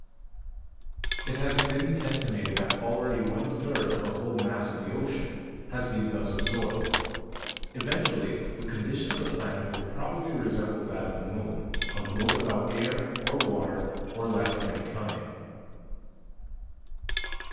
It has been estimated that already one third of the whole mass of the ocean has been thus absorbed. Eventually the condition of the planet will probably resemble that of the moon — a globe without air, or water, or life of any kind.